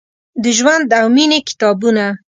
د ژوند او میینې کتابونه ،